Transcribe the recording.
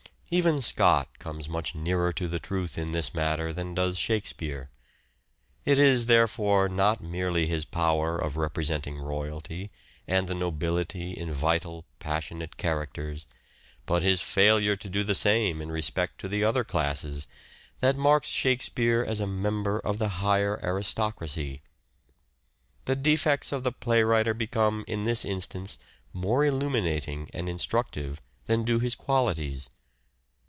Even Scott comes much nearer to truth in this matter than does Shakespeare. It is, therefore, not merely his power of representing royalty and the nobility in vital, passionate characters, but his failure to do the same " SHAKESPEARE " IDENTIFIED in respect to other classes that marks Shakespeare as a member of the higher aristocracy. The defects of the playwriter become in this instance more illuminating and instructive than do his qualities.